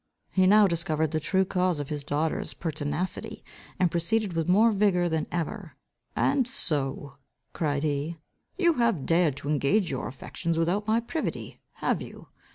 He now discovered the true cause of his daughter's pertinacity, and proceeded with more vigour than ever. "And so," cried he, "you have dared to engage your affections without my privity, have you?